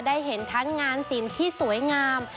ได้เห็นทั้งงานศิลป์ที่สวยงาม